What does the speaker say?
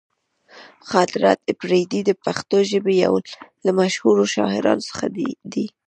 خاطر اپريدی د پښتو ژبې يو له مشهورو شاعرانو څخه دې.